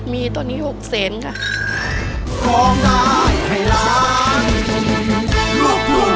มีตอนนี้๖เซนค่ะ